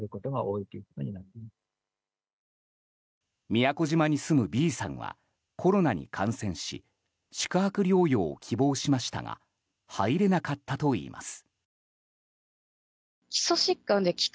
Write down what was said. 宮古島に住むＢさんはコロナに感染し宿泊療養を希望しましたが入れなかったといいます。